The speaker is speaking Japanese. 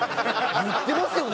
言ってますよね